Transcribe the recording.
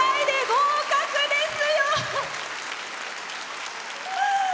合格です。